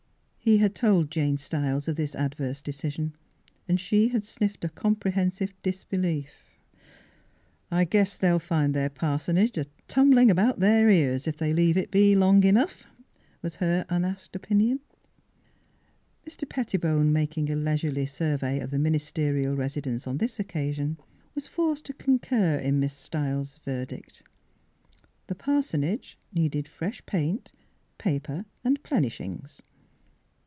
He had told Jane Stiles of this adverse decision, and she had sniffed a comprehen sive disbelief. " I guess they'll find their parsonage a tumblin' about their years, if they leave it be long enough," was her unasked opin ion. Mr. Pettibone making a leisurely sur vey of the ministerial residence on this occasion was forced to concur in Miss Miss Philura's Wedding Gown Stiles' verdict. The parsonage needed fresh paint, paper and plenishings.